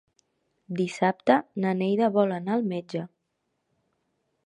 Dissabte na Neida vol anar al metge.